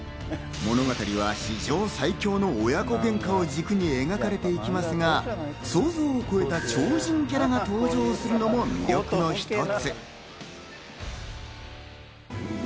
物語は史上最強の親子ゲンカを軸に描かれていきますが、想像を超えた超人キャラが登場するのも魅力の一つ。